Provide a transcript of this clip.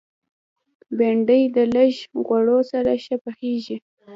بېنډۍ د لږ غوړو سره ښه پخېږي